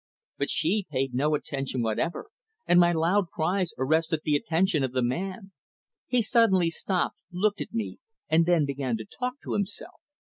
But she paid no attention whatever, and my loud cries arrested the attention of the man. He suddenly stopped, looked at me, and then began to talk to himself.